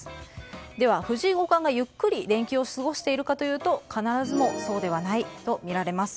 では、藤井五冠がゆっくり連休を過ごしているかというと必ずしもそうではないとみられます。